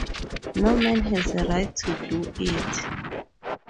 No man has a right to do it.